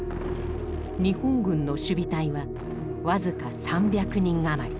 日本軍の守備隊は僅か３００人余り。